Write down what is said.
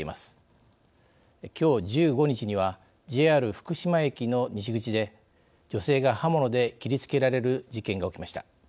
１５日にはＪＲ福島駅の西口で女性が刃物で切りつけられる事件が起きました。